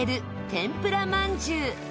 天ぷらまんじゅう。